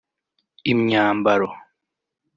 imyambaro